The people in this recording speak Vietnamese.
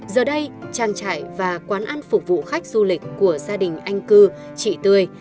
giờ đây trang trại và quán ăn phục vụ khách du lịch của gia đình anh cư chị tươi